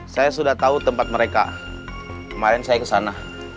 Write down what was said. saya sudah tahu tempat mereka kemarin saya kesana